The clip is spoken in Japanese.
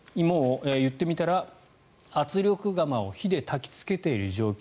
言ってみたら圧力釜を火でたきつけている状況